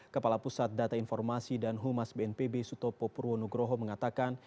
kepala pusat data informasi dan humas bnpb sutopo purwonugroho mengatakan